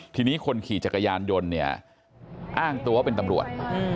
ทีนี้คนขี่จักรยานยนต์เนี่ยอ้างตัวว่าเป็นตำรวจ